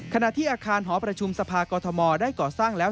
ขณะที่อาคารหอประชุมสภากอทมได้ก่อสร้างแล้ว